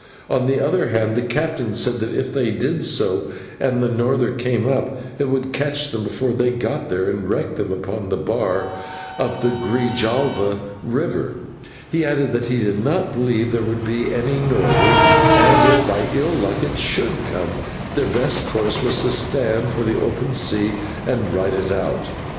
On the other hand, the captain said that if they did so and the norther came up, it would catch them before they got there, and wreck them upon the bar of the Grijalva river; but he added that he did not believe there would be any norther, and if by ill luck it should come, their best course was to stand for the open sea and ride it out.